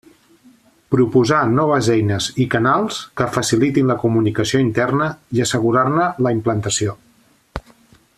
Proposar noves eines i canals que facilitin la comunicació interna i assegurar-ne la implantació.